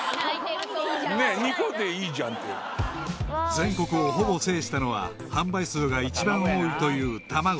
［全国をほぼ制したのは販売数が一番多いというたまご］